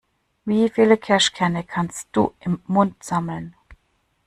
Wie viele Kirschkerne kannst du im Mund sammeln?